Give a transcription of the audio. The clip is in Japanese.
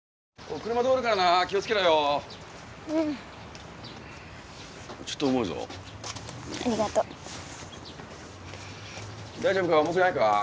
車通るからな気をつけろようんちょっと重いぞありがとう大丈夫か重くないか？